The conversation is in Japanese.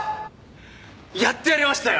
やってやりましたよ！